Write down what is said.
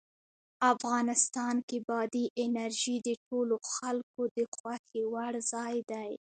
افغانستان کې بادي انرژي د ټولو خلکو د خوښې وړ ځای دی.